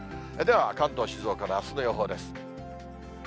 では、関東、静岡のあすの予報です。